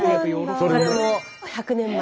それも１００年前。